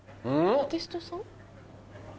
アーティストさん？